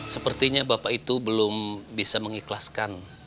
sepertinya bapak itu belum bisa mengikhlaskan